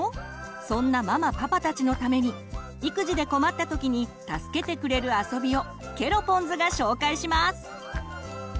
そんなママ・パパたちのために育児で困った時に助けてくれるあそびをケロポンズが紹介します。